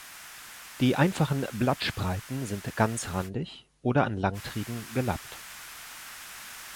Die einfachen Blattspreiten sind ganzrandig oder an Langtrieben gelappt.